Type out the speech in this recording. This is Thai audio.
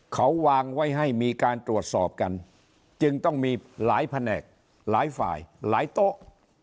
เขาวางไว้ให้มีการตรวจสอบกันจึงต้องมีหลายแผนกหลายฝ่ายหลายโต๊ะ